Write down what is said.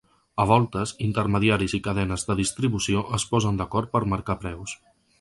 A voltes, intermediaris i cadenes de distribució es posen d’acord per marcar preus.